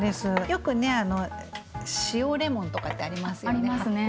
よくね塩レモンとかってありますよね？